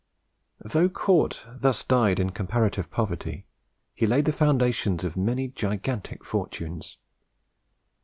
Though Cort thus died in comparative poverty, he laid the foundations of many gigantic fortunes.